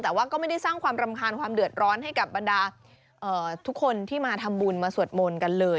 แต่ว่าก็ไม่ได้สร้างความรำคาญความเดือดร้อนให้กับบรรดาทุกคนที่มาทำบุญมาสวดมนต์กันเลย